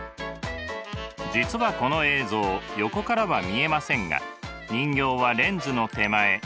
実はこの映像横からは見えませんが人形はレンズの手前